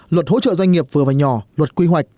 luật hỗ trợ doanh nghiệp vừa và nhỏ luật quy hoạch